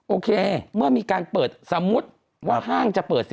โอเคเมื่อมีการเปิดสมมุติว่าห้างจะเปิด๔๐